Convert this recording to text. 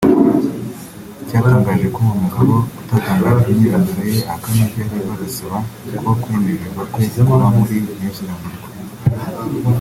cyatangaje ko uwo mugabo utatangajwe imyirondoro ye ahakana ibyo aregwa agasaba ko kwemererwa kuba muri New Zealand kwe